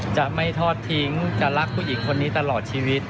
จะไม่ทอดทิ้งจะรักผู้หญิงคนนี้ตลอดชีวิต